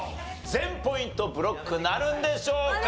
全ポイントブロックなるんでしょうか？